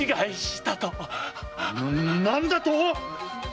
何だとぉ！